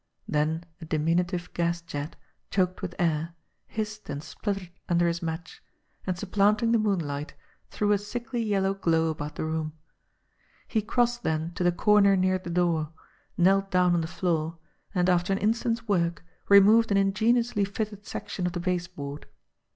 Then a diminutive gas jet, choked with air, hissed and spluttered under his match, and supplanting the moonlight, threw a sickly yellow glow about the room. He crossed then to the corner near the door, knelt down on the floor, and after an instant's work removed an ingeniously fitted section of the base board.